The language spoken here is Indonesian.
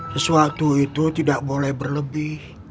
sesuatu itu tidak boleh berlebih